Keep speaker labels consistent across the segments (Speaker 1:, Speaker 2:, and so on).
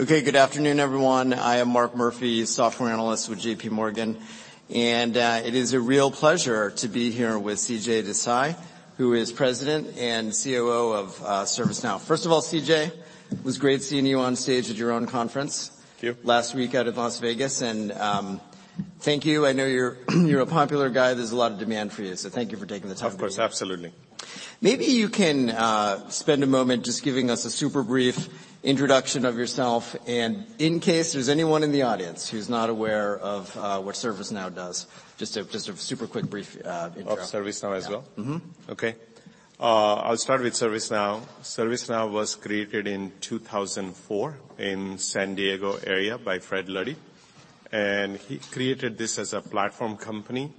Speaker 1: Okay, good afternoon, everyone. I am Mark Murphy, software analyst with J.P. Morgan, and it is a real pleasure to be here with CJ Desai, who is President and COO of ServiceNow. First of all, CJ, it was great seeing you on stage at your own conference-
Speaker 2: Thank you....
Speaker 1: last week out at Las Vegas. Thank you. I know you're a popular guy. There's a lot of demand for you, so thank you for taking the time.
Speaker 2: Of course. Absolutely.
Speaker 1: Maybe you can spend a moment just giving us a super brief introduction of yourself and in case there's anyone in the audience who's not aware of, what ServiceNow does, just a super quick brief intro.
Speaker 2: Of ServiceNow as well?
Speaker 1: Mm-hmm.
Speaker 2: I'll start with ServiceNow. ServiceNow was created in 2004 in San Diego area by Fred Luddy, and he created this as a platform company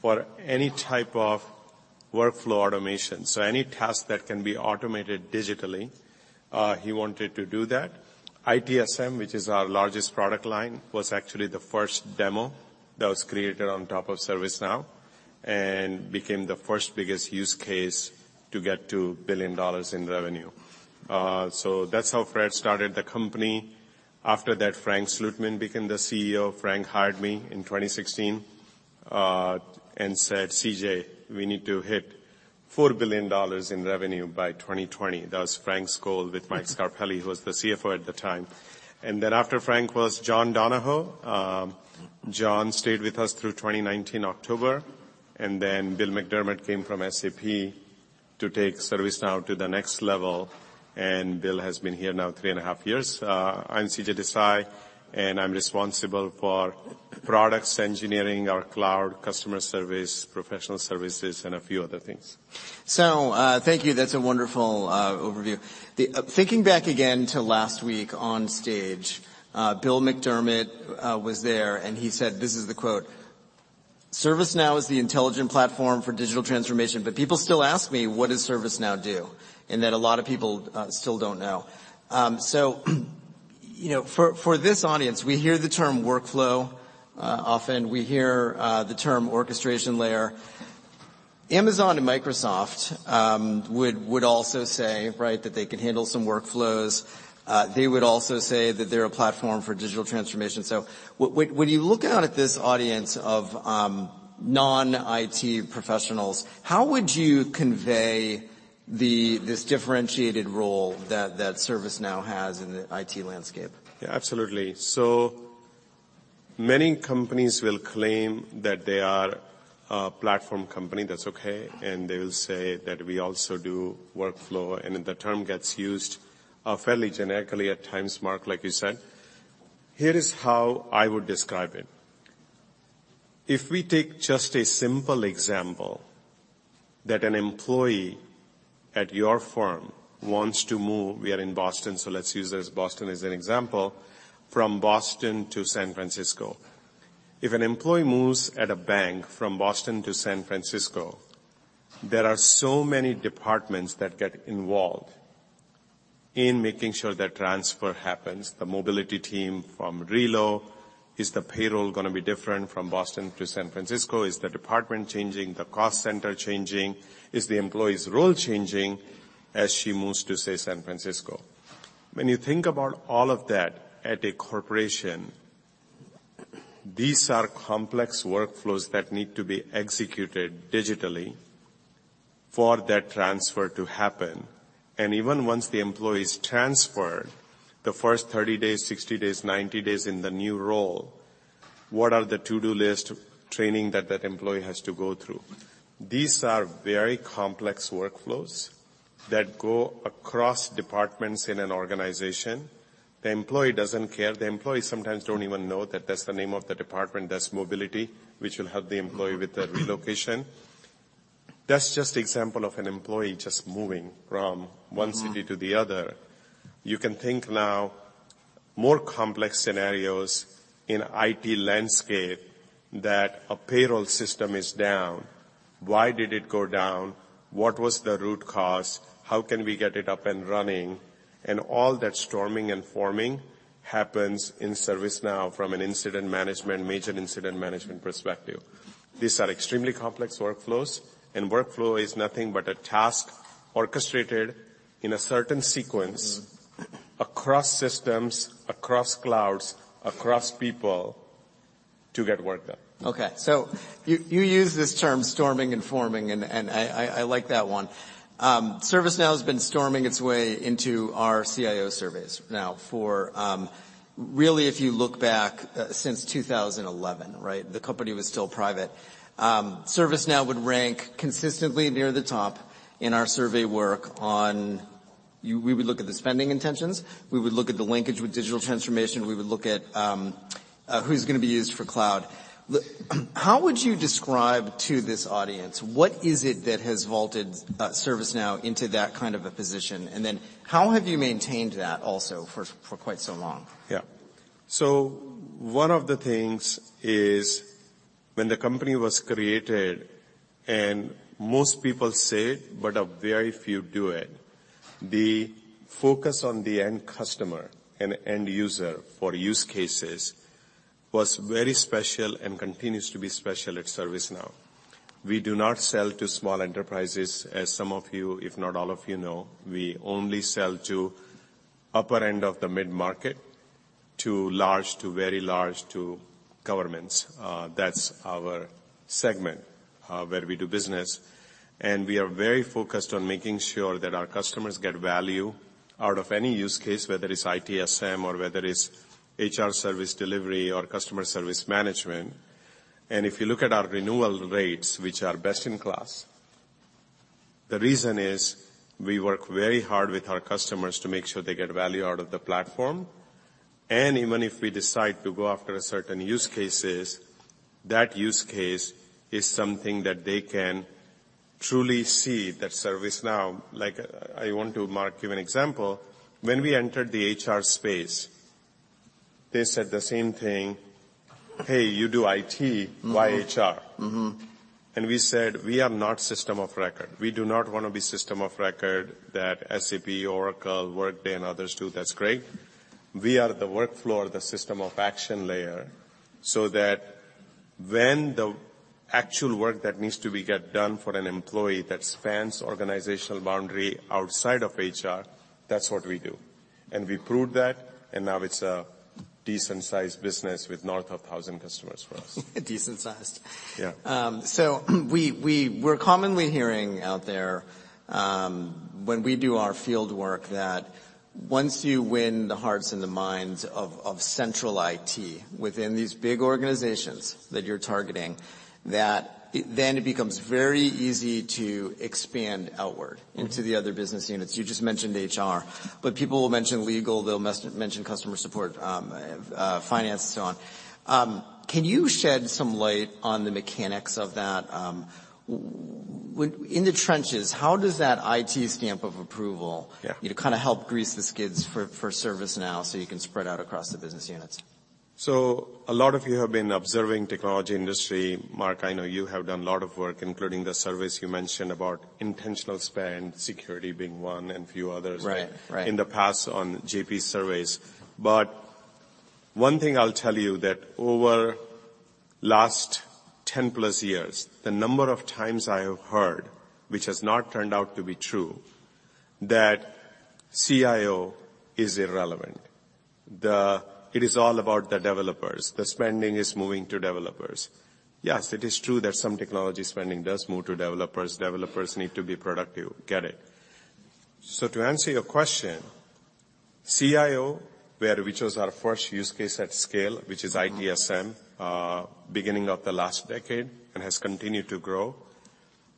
Speaker 2: for any type of workflow automation. Any task that can be automated digitally, he wanted to do that. ITSM, which is our largest product line, was actually the first demo that was created on top of ServiceNow and became the first-biggest use case to get to $1 billion in revenue. That's how Fred started the company. After that, Frank Slootman became the CEO. Frank hired me in 2016 and said, "CJ, we need to hit $4 billion in revenue by 2020." That was Frank's goal with Mike Scarpelli, who was the CFO at the time. After Frank was John Donahoe. John Donahoe stayed with us through 2019, October, and then Bill McDermott came from SAP to take ServiceNow to the next level, and Bill has been here now three and a half years. I'm CJ Desai, and I'm responsible for products engineering, our cloud customer service, professional services, and a few other things.
Speaker 1: Thank you. That's a wonderful overview. Thinking back again to last week on stage, Bill McDermott was there and he said, "This is the quote: "ServiceNow is the intelligent platform for digital transformation, but people still ask me, 'What does ServiceNow do?'" And that a lot of people still don't know. You know, for this audience, we hear the term workflow often, we hear the term orchestration layer. Amazon and Microsoft would also say, right, that they can handle some workflows. They would also say that they're a platform for digital transformation. When you look out at this audience of non-IT professionals, how would you convey this differentiated role that ServiceNow has in the IT landscape?
Speaker 2: Yeah, absolutely. Many companies will claim that they are a platform company. That's okay. They'll say that we also do workflow, and then the term gets used fairly generically at times, Mark, like you said. Here is how I would describe it. If we take just a simple example that an employee at your firm wants to move, we are in Boston, so let's use this Boston as an example, from Boston to San Francisco. If an employee moves at a bank from Boston to San Francisco, there are so many departments that get involved in making sure that transfer happens. The mobility team from Relo. Is the payroll gonna be different from Boston to San Francisco? Is the department changing? The cost center changing? Is the employee's role changing as she moves to, say, San Francisco? When you think about all of that at a corporation, these are complex workflows that need to be executed digitally for that transfer to happen. Even once the employee's transferred, the first 30 days, 60 days, 90 days in the new role, what are the to-do list training that that employee has to go through? These are very complex workflows that go across departments in an organization. The employee doesn't care. The employees sometimes don't even know that that's the name of the department, that's mobility, which will help the employee with their relocation. That's just example of an employee just moving from one city to the other. You can think now more complex scenarios in IT landscape that a payroll system is down. Why did it go down? What was the root cause? How can we get it up and running? All that storming and forming happens in ServiceNow from an incident management, major incident management perspective. These are extremely complex workflows, and workflow is nothing but a task orchestrated in a certain sequence.
Speaker 1: Mm-hmm
Speaker 2: across systems, across clouds, across people to get work done.
Speaker 1: You use this term storming and forming, and I like that one. ServiceNow has been storming its way into our CIO surveys now for really, if you look back, since 2011, right? The company was still private. ServiceNow would rank consistently near the top in our survey work on... We would look at the spending intentions, we would look at the linkage with digital transformation, we would look at who's gonna be used for cloud. How would you describe to this audience what is it that has vaulted ServiceNow into that kind of a position? How have you maintained that also for quite so long?
Speaker 2: Yeah. One of the things is when the company was created, and most people say it, but a very few do it, the focus on the end customer and end user for use cases was very special and continues to be special at ServiceNow. We do not sell to small enterprises, as some of you, if not all of you know. We only sell to upper end of the mid-market to large, to very large, to governments. That's our segment, where we do business. We are very focused on making sure that our customers get value out of any use case, whether it's ITSM or whether it's HR service delivery or customer service management. If you look at our renewal rates, which are best in class, the reason is we work very hard with our customers to make sure they get value out of the platform. Even if we decide to go after certain use cases, that use case is something that they can truly see that ServiceNow... Like, I want to, Mark, give an example. When we entered the HR space, they said the same thing, "Hey, you do IT. Why HR?
Speaker 1: Mm-hmm.
Speaker 2: We said, "We are not system of record. We do not wanna be system of record that SAP, Oracle, Workday, and others do. That's great. We are the workflow or the system of action layer, so that when the actual work that needs to be get done for an employee that spans organizational boundary outside of HR, that's what we do." We proved that, and now it's a decent-sized business with north of 1,000 customers for us.
Speaker 1: Decent-sized.
Speaker 2: Yeah.
Speaker 1: We're commonly hearing out there, when we do our field work, that once you win the hearts and the minds of central IT within these big organizations that you're targeting, that then it becomes very easy to expand outward.
Speaker 2: Mm-hmm.
Speaker 1: -into the other business units. You just mentioned HR, but people will mention legal, they'll mention customer support, finance, and so on. Can you shed some light on the mechanics of that? When in the trenches, how does that IT stamp of approval-
Speaker 2: Yeah.
Speaker 1: you know, kinda help grease the skids for ServiceNow so you can spread out across the business units?
Speaker 2: A lot of you have been observing technology industry. Mark, I know you have done a lot of work, including the surveys you mentioned about intentional spend security being one and a few others.
Speaker 1: Right, right.
Speaker 2: in the past on J.P. Morgan surveys. One thing I'll tell you that over last 10-plus years, the number of times I have heard, which has not turned out to be true, that CIO is irrelevant. It is all about the developers. The spending is moving to developers. Yes, it is true that some technology spending does move to developers. Developers need to be productive. Get it. To answer your question, CIO, where we chose our first use case at scale, which is ITSM-
Speaker 1: Mm-hmm.
Speaker 2: beginning of the last decade and has continued to grow,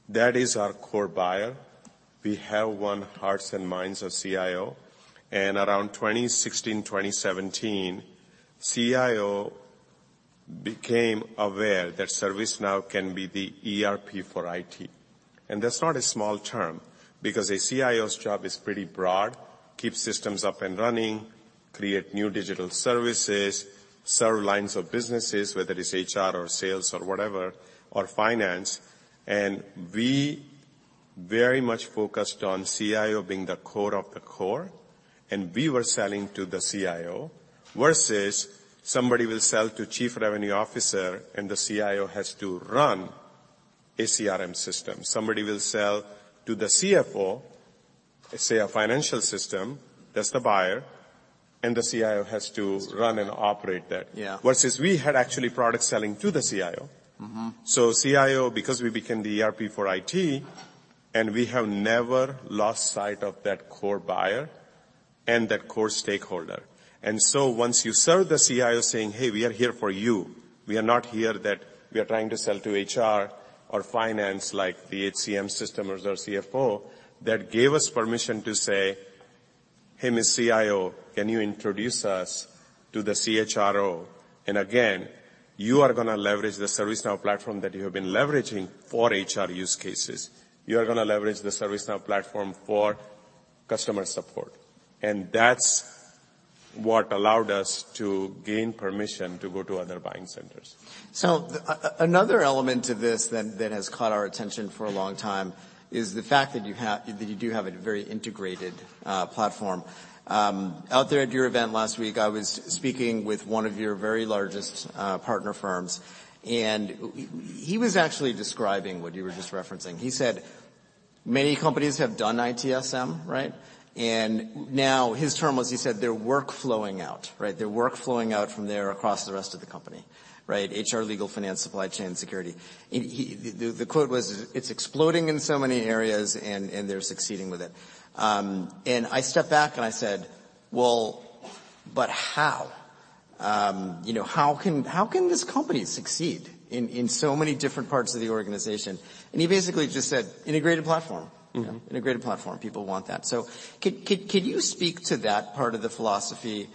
Speaker 2: that is our core buyer. We have won hearts and minds of CIO. Around 2016, 2017, CIO became aware that ServiceNow can be the ERP for IT. That's not a small term, because a CIO's job is pretty broad. Keep systems up and running, create new digital services, serve lines of businesses, whether it's HR or sales or whatever, or finance. We very much focused on CIO being the core of the core, and we were selling to the CIO, versus somebody will sell to chief revenue officer and the CIO has to run a CRM system. Somebody will sell to the CFO, let's say a financial system, that's the buyer, and the CIO has to run and operate that.
Speaker 1: Yeah.
Speaker 2: Versus we had actually product selling to the CIO.
Speaker 1: Mm-hmm.
Speaker 2: CIO, because we became the ERP for IT, and we have never lost sight of that core buyer and that core stakeholder. Once you serve the CIO saying, "Hey, we are here for you. We are not here that we are trying to sell to HR or finance like the HCM system or their CFO," that gave us permission to say, "Hey, Ms. CIO, can you introduce us to the CHRO? Again, you are gonna leverage the ServiceNow platform that you have been leveraging for HR use cases. You are gonna leverage the ServiceNow platform for customer support." That's what allowed us to gain permission to go to other buying centers.
Speaker 1: Another element to this that has caught our attention for a long time is the fact that you do have a very integrated platform. Out there at your event last week, I was speaking with one of your very largest partner firms, and he was actually describing what you were just referencing. He said many companies have done ITSM, right? Now his term was, he said they're work flowing out, right? They're work flowing out from there across the rest of the company, right? HR, legal, finance, supply chain, security. The quote was, "It's exploding in so many areas and they're succeeding with it." I stepped back and I said, "Well, how? you know, how can this company succeed in so many different parts of the organization?" He basically just said, "Integrated platform.
Speaker 2: Mm-hmm.
Speaker 1: You know, integrated platform. People want that. Can you speak to that part of the philosophy?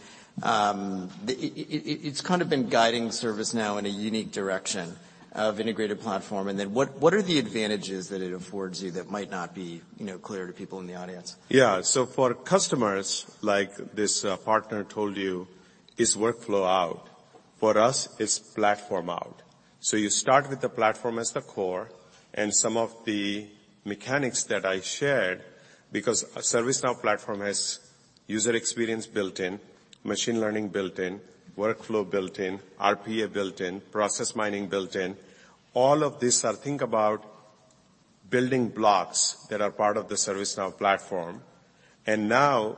Speaker 1: It's kind of been guiding ServiceNow in a unique direction of integrated platform. What are the advantages that it affords you that might not be, you know, clear to people in the audience?
Speaker 2: Yeah. For customers, like this, partner told you, it's workflow out. For us, it's platform out. You start with the platform as the core and some of the mechanics that I shared, because ServiceNow platform has User experience built in, machine learning built in, workflow built in, RPA built in, process mining built in. All of these are, think about, building blocks that are part of the ServiceNow platform. Now,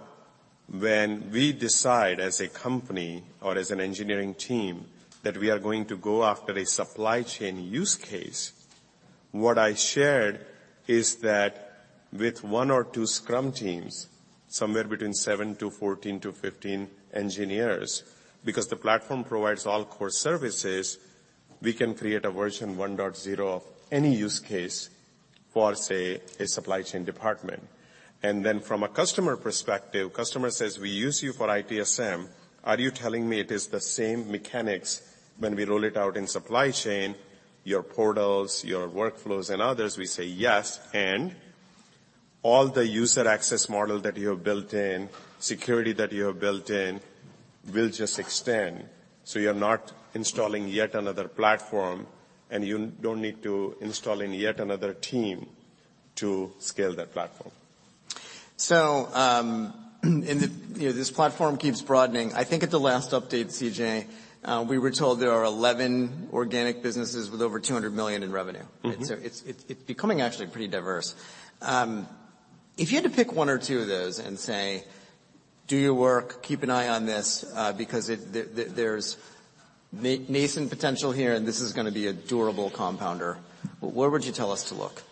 Speaker 2: when we decide as a company or as an engineering team that we are going to go after a supply chain use case, what I shared is that with one or two Scrum teams, somewhere between seven to 14-15 engineers, because the platform provides all core services, we can create a version 1.0 of any use case for, say, a supply chain department. From a customer perspective, customer says, "We use you for ITSM. Are you telling me it is the same mechanics when we roll it out in supply chain, your portals, your workflows, and others?" We say, "Yes, all the user access model that you have built in, security that you have built in, will just extend. You're not installing yet another platform, and you don't need to install in yet another team to scale that platform.
Speaker 1: You know, this platform keeps broadening. I think at the last update, CJ, we were told there are 11 organic businesses with over $200 million in revenue.
Speaker 2: Mm-hmm.
Speaker 1: It's becoming actually pretty diverse. If you had to pick one or two of those and say, "Do your work. Keep an eye on this, because there's nascent potential here, and this is gonna be a durable compounder," where would you tell us to look?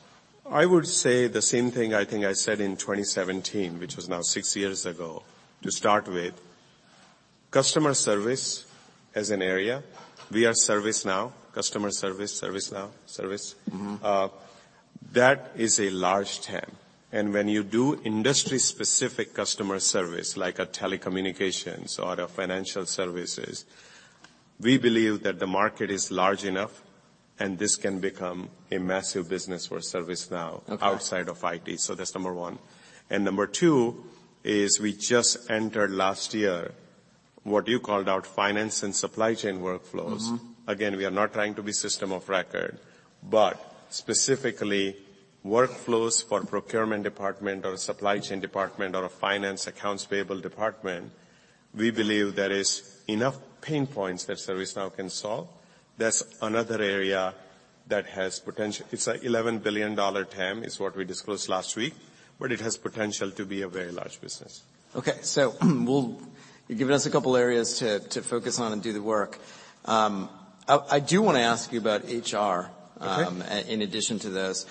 Speaker 2: I would say the same thing I think I said in 2017, which was now six years ago. To start with, customer service as an area. We are ServiceNow, customer service, ServiceNow, service.
Speaker 1: Mm-hmm.
Speaker 2: That is a large TAM, and when you do industry-specific customer service, like a telecommunications or a financial services, we believe that the market is large enough, and this can become a massive business for ServiceNow.
Speaker 1: Okay.
Speaker 2: outside of IT. That's number 1. Number 2 is we just entered last year what you called out, finance and supply chain workflows.
Speaker 1: Mm-hmm.
Speaker 2: Again, we are not trying to be system of record, but specifically workflows for procurement department or supply chain department or a finance accounts payable department, we believe there is enough pain points that ServiceNow can solve. That's another area that has potential. It's, like, $11 billion TAM, is what we disclosed last week, but it has potential to be a very large business.
Speaker 1: Okay. You've given us a couple areas to focus on and do the work. I do wanna ask you about HR-
Speaker 2: Okay.
Speaker 1: in addition to those.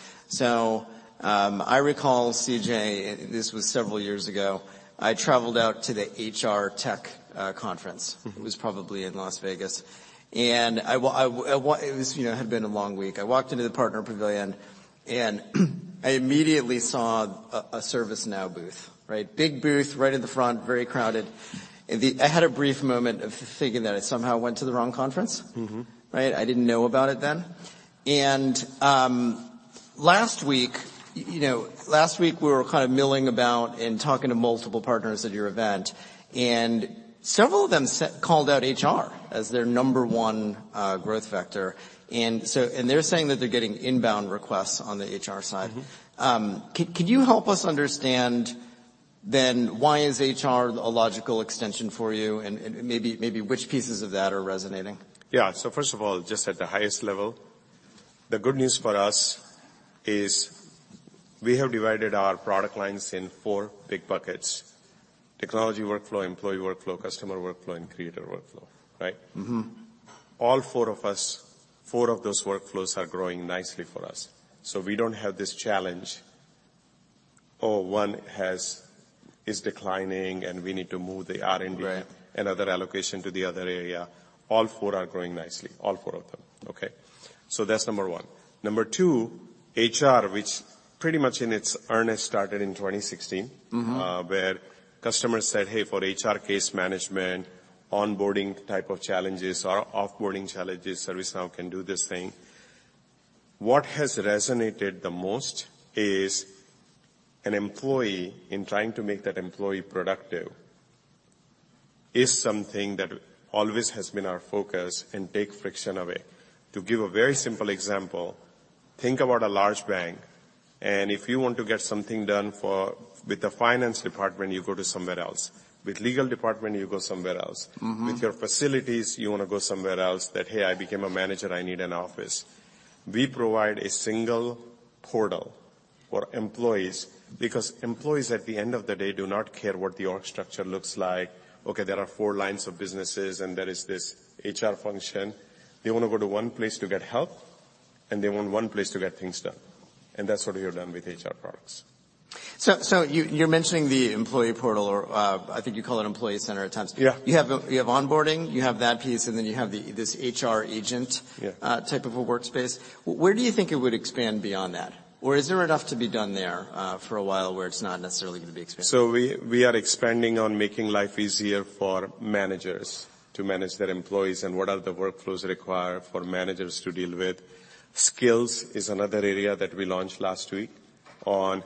Speaker 1: I recall, CJ, this was several years ago. I traveled out to the HR Tech Conference.
Speaker 2: Mm-hmm.
Speaker 1: It was probably in Las Vegas. It was, you know, had been a long week. I walked into the partner pavilion, I immediately saw a ServiceNow booth, right? Big booth right in the front, very crowded. I had a brief moment of thinking that I somehow went to the wrong conference.
Speaker 2: Mm-hmm.
Speaker 1: Right? I didn't know about it then. Last week, you know, we were kind of milling about and talking to multiple partners at your event, and several of them called out HR as their number 1 growth factor. They're saying that they're getting inbound requests on the HR side.
Speaker 2: Mm-hmm.
Speaker 1: Can you help us understand why is HR a logical extension for you and maybe which pieces of that are resonating?
Speaker 2: Yeah. First of all, just at the highest level, the good news for us is we have divided our product lines in four big buckets: technology workflow, employee workflow, customer workflow, and creator workflow, right?
Speaker 1: Mm-hmm.
Speaker 2: Four of those workflows are growing nicely for us. We don't have this challenge, one is declining, and we need to move the R&D.
Speaker 1: Right.
Speaker 2: Other allocation to the other area. All four are growing nicely. All four of them. Okay? That's number 1. Number 2, HR, which pretty much in its earnest started in 2016-
Speaker 1: Mm-hmm.
Speaker 2: Where customers said, "Hey, for HR case management, onboarding type of challenges or offboarding challenges, ServiceNow can do this thing." What has resonated the most is an employee, in trying to make that employee productive, is something that always has been our focus and take friction away. To give a very simple example, think about a large bank, if you want to get something done with the finance department, you go to somewhere else. With legal department, you go somewhere else.
Speaker 1: Mm-hmm.
Speaker 2: With your facilities, you wanna go somewhere else. That, "Hey, I became a manager. I need an office." We provide a single portal for employees because employees, at the end of the day, do not care what the org structure looks like. Okay, there are four lines of businesses, and there is this HR function. They wanna go to one place to get help, and they want one place to get things done. That's what we have done with HR products.
Speaker 1: You're mentioning the employee portal, or, I think you call it Employee Center at times.
Speaker 2: Yeah.
Speaker 1: You have onboarding, you have that piece, and then you have this HR agent.
Speaker 2: Yeah.
Speaker 1: type of a workspace. Where do you think it would expand beyond that? Is there enough to be done there for a while where it's not necessarily gonna be expanded?
Speaker 2: We are expanding on making life easier for managers to manage their employees and what are the workflows required for managers to deal with. Skills is another area that we launched last week on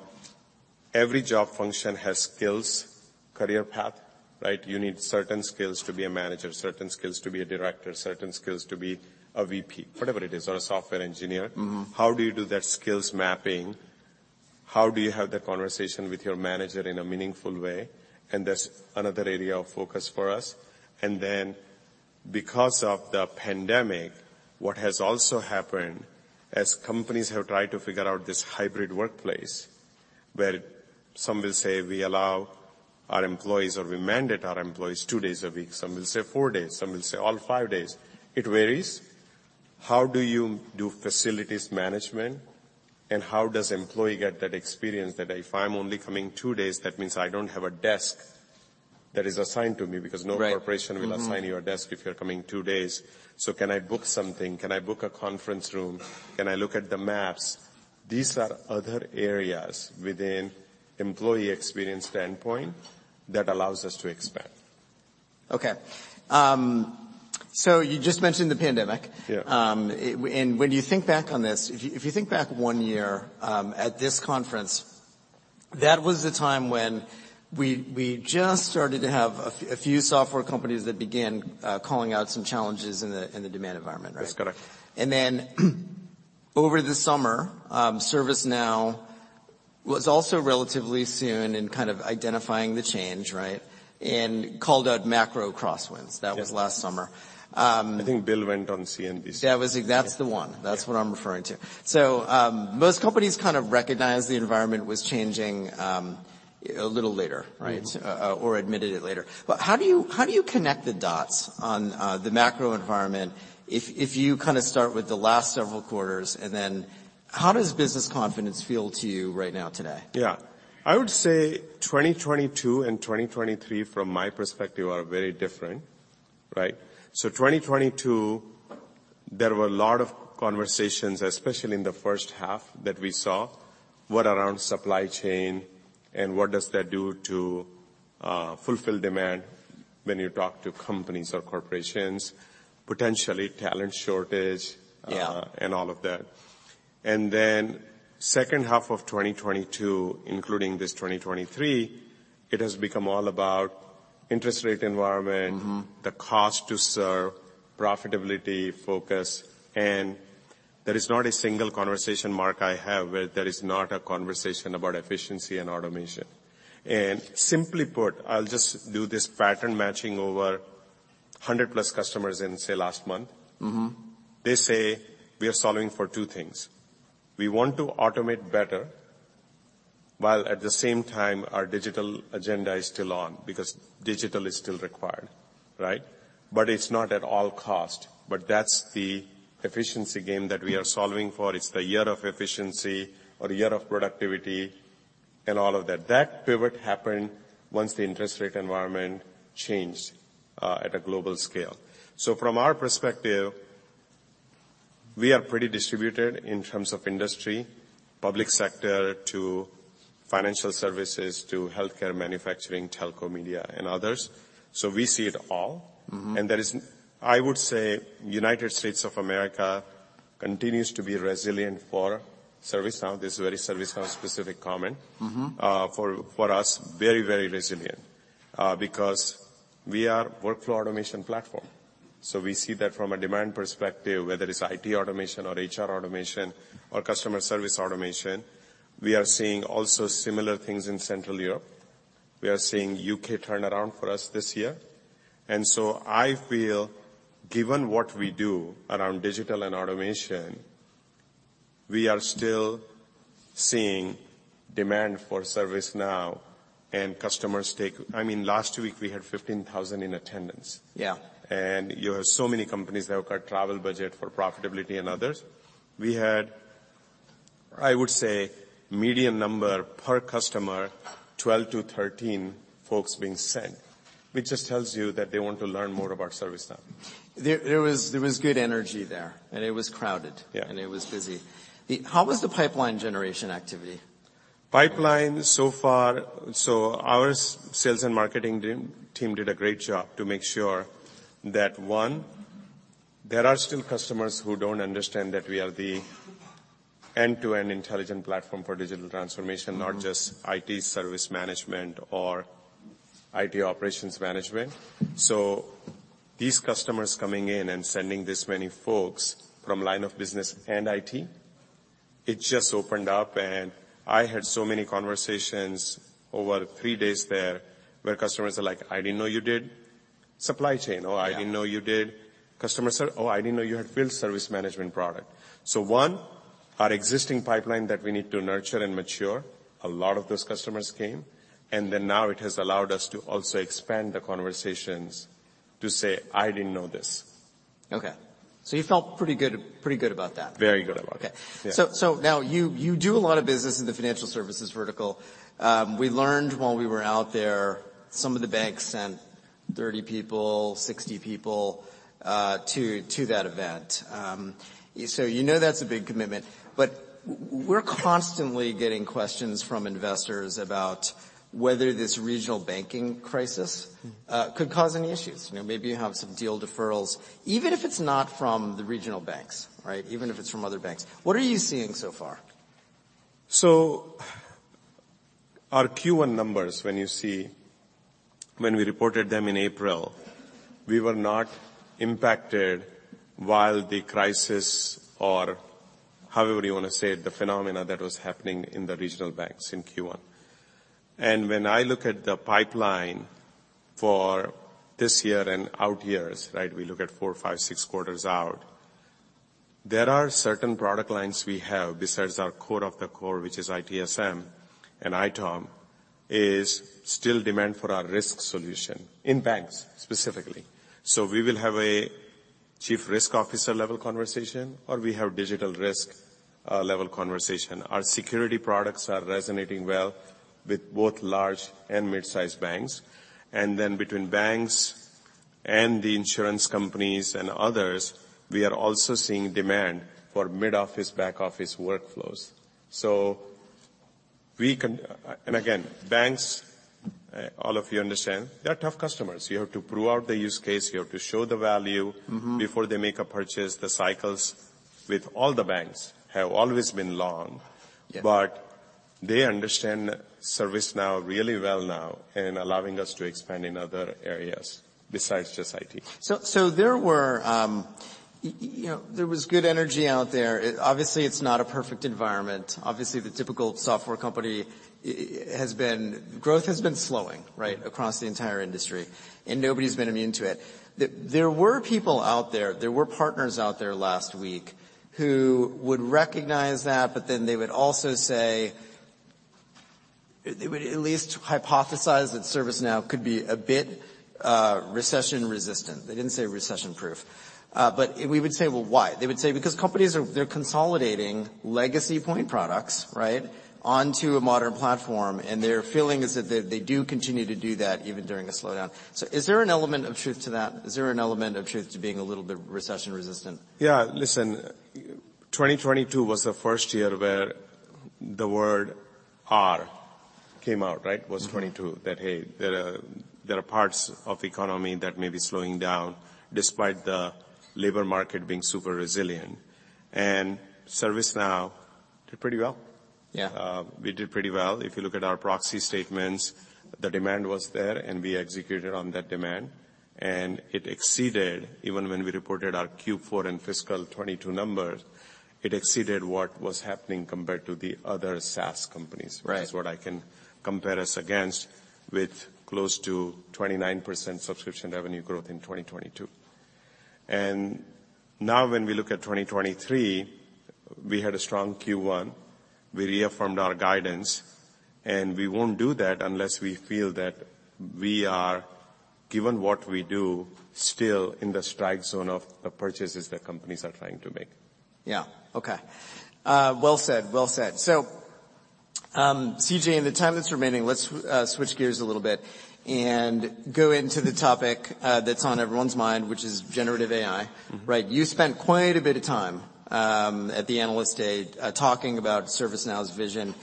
Speaker 2: every job function has skills career path. Right? You need certain skills to be a manager, certain skills to be a director, certain skills to be a VP, whatever it is, or a software engineer.
Speaker 1: Mm-hmm.
Speaker 2: How do you do that skills mapping? How do you have the conversation with your manager in a meaningful way? That's another area of focus for us. Then because of the pandemic, what has also happened as companies have tried to figure out this hybrid workplace, where some will say, "We allow our employees," or, "We mandate our employees 2 days a week." Some will say 4 days, some will say all 5 days. It varies. How do you do facilities management, and how does employee get that experience that if I'm only coming 2 days, that means I don't have a desk that is assigned to me because.
Speaker 1: Right. Mm-hmm....
Speaker 2: no corporation will assign you a desk if you're coming two days. Can I book something? Can I book a conference room? Can I look at the maps? These are other areas within employee experience standpoint that allows us to expand.
Speaker 1: Okay. You just mentioned the pandemic.
Speaker 2: Yeah.
Speaker 1: When you think back on this, if you think back 1 year, at this conference, that was the time when we just started to have a few software companies that began calling out some challenges in the demand environment, right?
Speaker 2: That's correct.
Speaker 1: Then over the summer, ServiceNow was also relatively soon in kind of identifying the change, right? Called out macro crosswinds.
Speaker 2: Yeah.
Speaker 1: That was last summer.
Speaker 2: I think Bill went on CNBC.
Speaker 1: That was it. That's the one.
Speaker 2: Yeah.
Speaker 1: That's what I'm referring to. Most companies kind of recognized the environment was changing a little later, right?
Speaker 2: Mm-hmm.
Speaker 1: Admitted it later. How do you connect the dots on the macro environment if you kinda start with the last several quarters, and then how does business confidence feel to you right now today?
Speaker 2: Yeah. I would say 2022 and 2023 from my perspective are very different, right? 2022, there were a lot of conversations, especially in the first half, that we saw were around supply chain and what does that do to fulfill demand when you talk to companies or corporations, potentially talent shortage-
Speaker 1: Yeah
Speaker 2: all of that. Second half of 2022, including this 2023, it has become all about interest rate environment.
Speaker 1: Mm-hmm...
Speaker 2: the cost to serve, profitability, focus, and there is not a single conversation, Mark, I have where there is not a conversation about efficiency and automation. Simply put, I'll just do this pattern matching over 100+ customers in, say, last month.
Speaker 1: Mm-hmm.
Speaker 2: They say we are solving for two things. We want to automate better, while at the same time our digital agenda is still on, because digital is still required, right? It's not at all cost. That's the efficiency game that we are solving for. It's the year of efficiency or year of productivity and all of that. That pivot happened once the interest rate environment changed at a global scale. From our perspective, we are pretty distributed in terms of industry, public sector to financial services to healthcare, manufacturing, telco, media and others, so we see it all.
Speaker 1: Mm-hmm.
Speaker 2: I would say United States of America continues to be resilient for ServiceNow. This is a very ServiceNow specific comment.
Speaker 1: Mm-hmm.
Speaker 2: For us, very resilient because we are workflow automation platform. We see that from a demand perspective, whether it's IT automation or HR automation or customer service automation. We are seeing also similar things in Central Europe. We are seeing UK turnaround for us this year. I feel, given what we do around digital and automation, we are still seeing demand for ServiceNow and customers take... I mean, last week we had 15,000 in attendance.
Speaker 1: Yeah.
Speaker 2: You have so many companies that have cut travel budget for profitability and others. We had, I would say, median number per customer, 12 to 13 folks being sent, which just tells you that they want to learn more about ServiceNow.
Speaker 1: There was good energy there, and it was crowded.
Speaker 2: Yeah.
Speaker 1: It was busy. How was the pipeline generation activity?
Speaker 2: Pipeline so far. Our sales and marketing team did a great job to make sure that, one, there are still customers who don't understand that we are the end-to-end intelligent platform for digital transformation.
Speaker 1: Mm-hmm...
Speaker 2: not just IT service management or IT operations management. These customers coming in and sending this many folks from line of business and IT, it just opened up and I had so many conversations over three days there where customers are like, "I didn't know you did supply chain," or...
Speaker 1: Yeah
Speaker 2: I didn't know you did. Oh, I didn't know you had field service management product." One, our existing pipeline that we need to nurture and mature, a lot of those customers came, now it has allowed us to also expand the conversations to say, "I didn't know this.
Speaker 1: Okay. You felt pretty good about that?
Speaker 2: Very good about that.
Speaker 1: Okay.
Speaker 2: Yeah.
Speaker 1: Now you do a lot of business in the financial services vertical. We learned while we were out there some of the banks sent 30 people, 60 people to that event. You know that's a big commitment. We're constantly getting questions from investors about whether this regional banking crisis-
Speaker 2: Mm-hmm...
Speaker 1: could cause any issues. You know, maybe you have some deal deferrals. Even if it's not from the regional banks, right? Even if it's from other banks. What are you seeing so far?
Speaker 2: Our Q1 numbers, when you see, when we reported them in April, we were not impacted while the crisis or however you want to say it, the phenomena that was happening in the regional banks in Q1. When I look at the pipeline for this year and out years, right? We look at 4, 5, 6 quarters out. There are certain product lines we have besides our core of the core, which is ITSM and ITOM, is still demand for our risk solution in banks specifically. We will have a chief risk officer level conversation, or we have digital risk level conversation. Our security products are resonating well with both large and mid-size banks. Between banks and the insurance companies and others, we are also seeing demand for mid-office, back-office workflows. Again, banks, all of you understand, they're tough customers. You have to prove out the use case, you have to show the value...
Speaker 1: Mm-hmm...
Speaker 2: before they make a purchase. The cycles with all the banks have always been long.
Speaker 1: Yeah.
Speaker 2: They understand ServiceNow really well now in allowing us to expand in other areas besides just IT.
Speaker 1: There were, you know, there was good energy out there. Obviously it's not a perfect environment. Obviously, the typical software company has been... Growth has been slowing, right, across the entire industry, and nobody's been immune to it. There were people out there were partners out there last week who would recognize that, but then they would also say... They would at least hypothesize that ServiceNow could be a bit recession resistant. They didn't say recession-proof. We would say, "Well, why?" They would say, "Because companies are... They're consolidating legacy point products, right, onto a modern platform, and their feeling is that they do continue to do that even during a slowdown." Is there an element of truth to that? Is there an element of truth to being a little bit recession resistant?
Speaker 2: Yeah. Listen, 2022 was the first year where the word R came out, right?
Speaker 1: Mm-hmm.
Speaker 2: Was 2022. That, hey, there are parts of economy that may be slowing down despite the labor market being super resilient. ServiceNow did pretty well.
Speaker 1: Yeah.
Speaker 2: We did pretty well. If you look at our proxy statements, the demand was there, and we executed on that demand. It exceeded, even when we reported our Q4 and fiscal 2022 numbers, it exceeded what was happening compared to the other SaaS companies.
Speaker 1: Right.
Speaker 2: Which is what I can compare us against, with close to 29% subscription revenue growth in 2022. Now when we look at 2023, we had a strong Q1. We reaffirmed our guidance, we won't do that unless we feel that we are, given what we do, still in the strike zone of the purchases that companies are trying to make.
Speaker 1: Yeah. Okay. Well said. Well said. CJ, in the time that's remaining, let's switch gears a little bit and go into the topic, that's on everyone's mind, which is generative AI.
Speaker 2: Mm-hmm.
Speaker 1: Right. You spent quite a bit of time at the Analyst Day talking about ServiceNow's vision.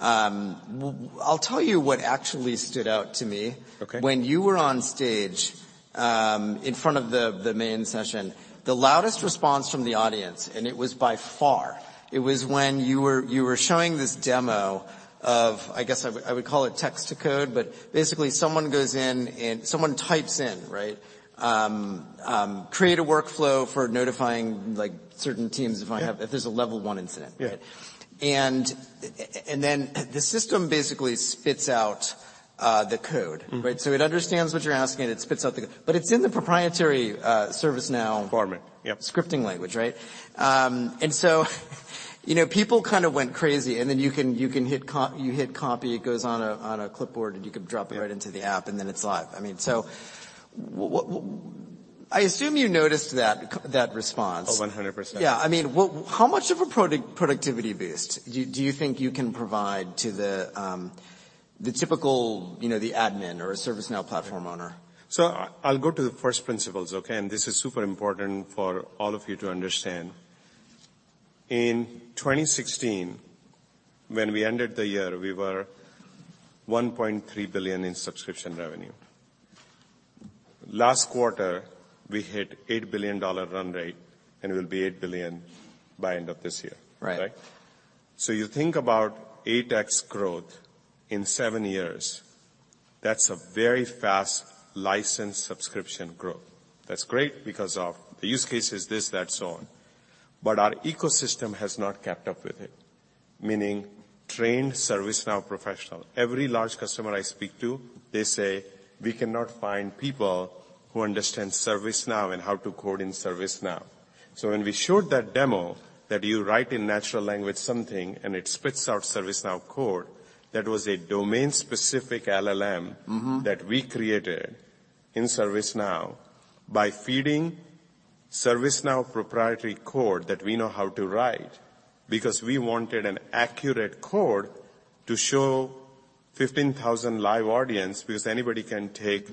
Speaker 1: Well, I'll tell you what actually stood out to me.
Speaker 2: Okay.
Speaker 1: When you were on stage, in front of the main session, the loudest response from the audience, and it was by far, it was when you were showing this demo of, I guess I would call it text to code, but basically someone goes in and someone types in, right, "Create a workflow for notifying, like, certain teams if I have.
Speaker 2: Yeah...
Speaker 1: if there's a level one incident," right?
Speaker 2: Yeah.
Speaker 1: The system basically spits out the code, right?
Speaker 2: Mm-hmm.
Speaker 1: it understands what you're asking, and it spits out the code. it's in the proprietary, ServiceNow...
Speaker 2: Format. Yep....
Speaker 1: scripting language, right? You know, people kind of went crazy, and then you can hit Copy, it goes on a clipboard, and you can drop it...
Speaker 2: Yeah...
Speaker 1: right into the app, and then it's live. I mean, I assume you noticed that response.
Speaker 2: Oh, 100%.
Speaker 1: Yeah. I mean, how much of a productivity boost do you think you can provide to the typical, you know, the admin or a ServiceNow platform owner?
Speaker 2: I'll go to the first principles, okay? This is super important for all of you to understand. In 2016, when we ended the year, we were $1.3 billion in subscription revenue. Last quarter, we hit $8 billion run rate, and we'll be $8 billion by end of this year.
Speaker 1: Right.
Speaker 2: Right? You think about 8x growth in seven years, that's a very fast license subscription growth. That's great because of the use cases, this, that, so on. Our ecosystem has not kept up with it. Meaning trained ServiceNow professional. Every large customer I speak to, they say, "We cannot find people who understand ServiceNow and how to code in ServiceNow." When we showed that demo that you write in natural language something, and it spits out ServiceNow code, that was a domain-specific LLM-
Speaker 1: Mm-hmm...
Speaker 2: that we created in ServiceNow by feeding ServiceNow proprietary code that we know how to write, because we wanted an accurate code to show 15,000 live audience, because anybody can take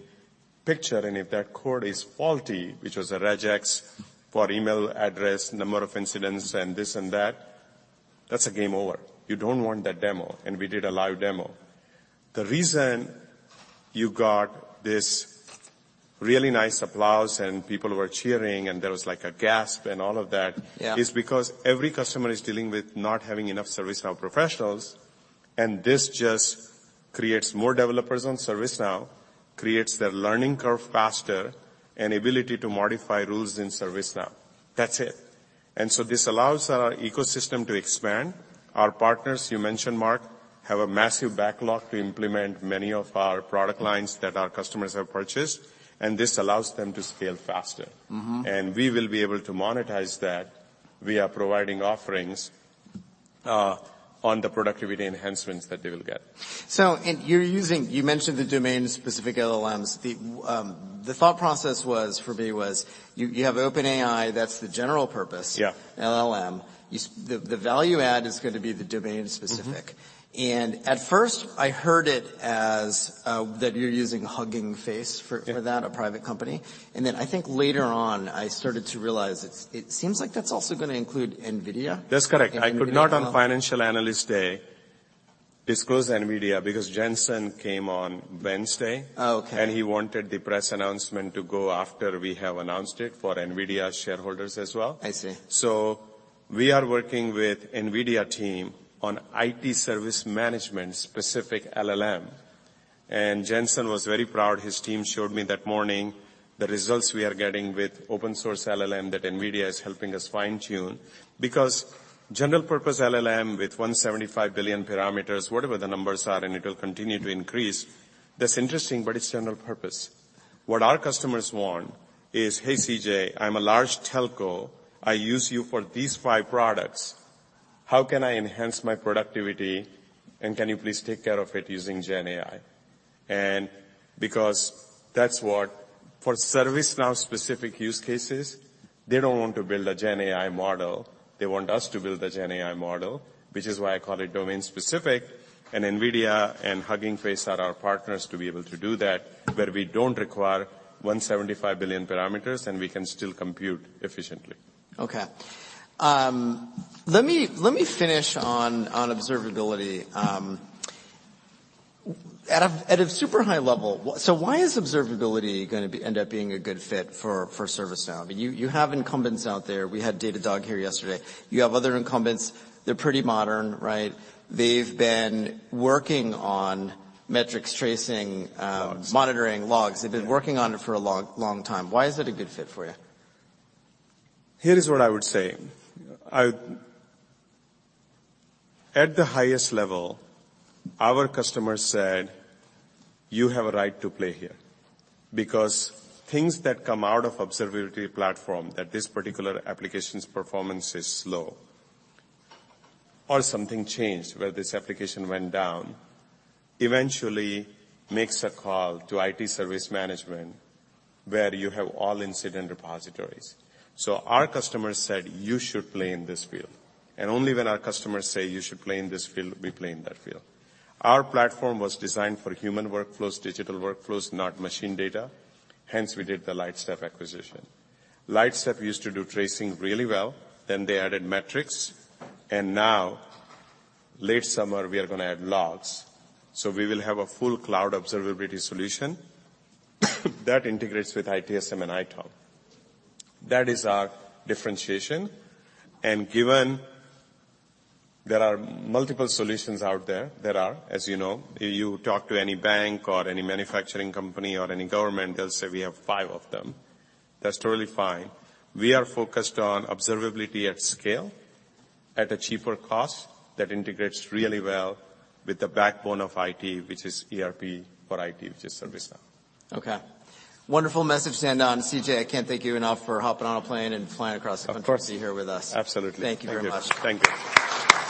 Speaker 2: picture. If that code is faulty, which was a regex for email address, number of incidents, and this and that's a game over. You don't want that demo. We did a live demo. Really nice applause and people were cheering and there was like a gasp and all of that.
Speaker 1: Yeah
Speaker 2: is because every customer is dealing with not having enough ServiceNow professionals, and this just creates more developers on ServiceNow, creates their learning curve faster, and ability to modify rules in ServiceNow. That's it. This allows our ecosystem to expand. Our partners, you mentioned, Mark, have a massive backlog to implement many of our product lines that our customers have purchased, and this allows them to scale faster.
Speaker 1: Mm-hmm.
Speaker 2: We will be able to monetize that via providing offerings, on the productivity enhancements that they will get.
Speaker 1: you're using... You mentioned the domain-specific LLMs. The thought process was, for me, was you have OpenAI, that's the general purpose-
Speaker 2: Yeah
Speaker 1: LLM. The value add is gonna be the domain-specific.
Speaker 2: Mm-hmm.
Speaker 1: At first, I heard it as, that you're using Hugging Face for that.
Speaker 2: Yeah...
Speaker 1: a private company. I think later on, I started to realize it seems like that's also gonna include NVIDIA.
Speaker 2: That's correct.
Speaker 1: NVIDIA as well.
Speaker 2: I could not, on Financial Analyst Day, disclose NVIDIA because Jensen came on Wednesday.
Speaker 1: Oh, okay.
Speaker 2: He wanted the press announcement to go after we have announced it for NVIDIA shareholders as well.
Speaker 1: I see.
Speaker 2: We are working with NVIDIA team on IT Service Management specific LLM. Jensen was very proud. His team showed me that morning the results we are getting with open source LLM that NVIDIA is helping us fine-tune. General purpose LLM with 175 billion parameters, whatever the numbers are, it'll continue to increase. That's interesting, it's general purpose. What our customers want is, "Hey, CJ, I'm a large telco. I use you for these 5 products. How can I enhance my productivity, and can you please take care of it using GenAI?" Because that's what... For ServiceNow specific use cases, they don't want to build a GenAI model, they want us to build the GenAI model, which is why I call it domain-specific, and NVIDIA and Hugging Face are our partners to be able to do that, where we don't require 175 billion parameters, and we can still compute efficiently.
Speaker 1: Let me, let me finish on observability. At a super high level, why is observability gonna be, end up being a good fit for ServiceNow? I mean, you have incumbents out there. We had Datadog here yesterday. You have other incumbents. They're pretty modern, right? They've been working on metrics tracing,
Speaker 2: Logs...
Speaker 1: monitoring logs.
Speaker 2: Yeah.
Speaker 1: They've been working on it for a long, long time. Why is it a good fit for you?
Speaker 2: Here is what I would say. At the highest level, our customers said, "You have a right to play here," because things that come out of observability platform, that this particular application's performance is slow or something changed where this application went down, eventually makes a call to IT service management, where you have all incident repositories. Our customers said, "You should play in this field." Only when our customers say, "You should play in this field," we play in that field. Our platform was designed for human workflows, digital workflows, not machine data, hence we did the Lightstep acquisition. Lightstep used to do tracing really well, then they added metrics, and now, late summer, we are gonna add logs. We will have a full cloud observability solution that integrates with ITSM and ITOM. That is our differentiation. Given there are multiple solutions out there are, as you know, you talk to any bank or any manufacturing company or any government, they'll say, "We have 5 of them." That's totally fine. We are focused on observability at scale, at a cheaper cost, that integrates really well with the backbone of IT, which is ERP for IT, which is ServiceNow.
Speaker 1: Okay. Wonderful message to end on. CJ, I can't thank you enough for hopping on a plane and flying across the country...
Speaker 2: Of course.
Speaker 1: to be here with us.
Speaker 2: Absolutely. Thank you.
Speaker 1: Thank you very much.
Speaker 2: Thank you.